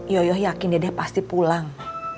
yoyoh yakin dede pasti pulang